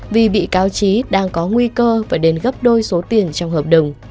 vì bị cao trí đang có nguy cơ phải đền gấp đôi số tiền trong hợp đồng